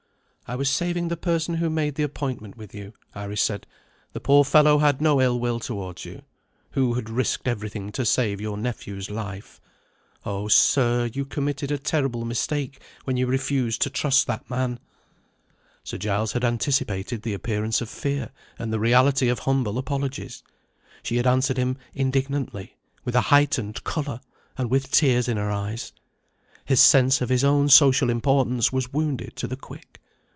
"I was saving the person who made the appointment with you," Iris said; "the poor fellow had no ill will towards you who had risked everything to save your nephew's life. Oh, sir, you committed a terrible mistake when you refused to trust that man!" Sir Giles had anticipated the appearance of fear, and the reality of humble apologies. She had answered him indignantly, with a heightened colour, and with tears in her eyes. His sense of his own social importance was wounded to the quick.